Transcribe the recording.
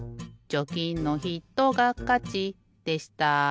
「チョキのひとがかち」でした。